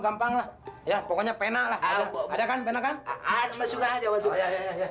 gampang lah ya pokoknya pena lah ada kan beneran ada masuk aja waspada ya